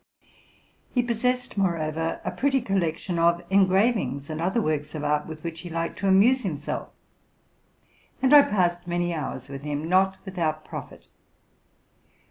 He possessed, moreover, a pretty collection of engravings, and other works. of art, with which he liked to amuse himself; and I passed many hours with him, not without profit.